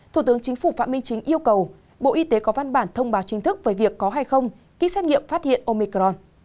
thủ tướng chính phủ phạm minh chính yêu cầu bộ y tế có văn bản thông báo chính thức về việc có hay không ký xét nghiệm phát hiện omicron